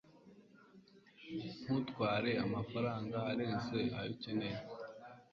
ntutware amafaranga arenze ayo ukeneye